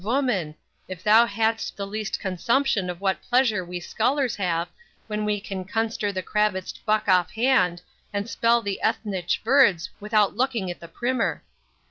voman! if thou had'st but the least consumption of what pleasure we scullers have, when we can cunster the crabbidst buck off hand, and spell the ethnitch vords without lucking at the primmer.